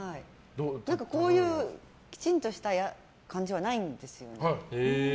こういうきちんとした感じはないんですよね。